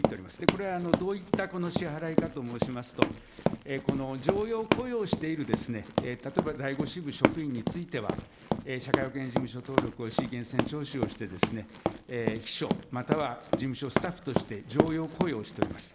これ、どういった支払いかと申しますと、この常用雇用している、例えば第５支部職員については、社会保険事務所登録をし、源泉徴収をしてですね、秘書、または事務所スタッフとして、常用雇用しております。